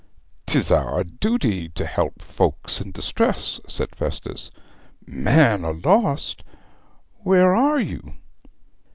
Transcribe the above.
''Tis our duty to help folks in distress,' said Festus. 'Man a lost, where are you?'